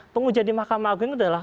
penguja di mahkamah agung adalah